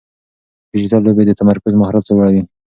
ډیجیټل لوبې د تمرکز مهارت لوړوي.